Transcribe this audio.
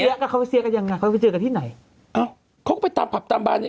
นางคงเป็นเพื่อนเที่ยวกันน่ะแหละคงเมื่อก่อนคงเป็นแก๊งเที่ยวกันอย่างนี้